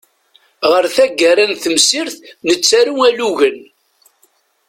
Ɣer taggara n temsirt nettaru alugen.